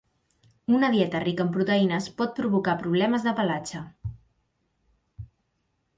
Una dieta rica en proteïnes pot provocar problemes de pelatge.